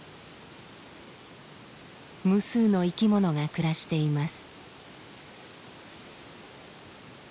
無数の生き物が暮らしています。